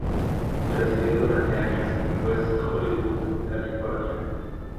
Residió durante años en West Hollywood, California.